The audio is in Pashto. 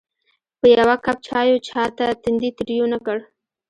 په یوه کپ چایو چاته تندی تریو نه کړ.